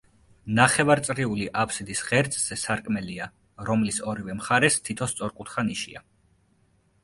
ნახევარწრიული აფსიდის ღერძზე სარკმელია, რომლის ორივე მხარეს თითო სწორკუთხა ნიშია.